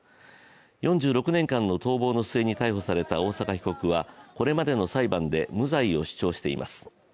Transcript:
４６年間の逃亡の末に逮捕された大坂被告はこれまでの裁判で無罪を主張しています。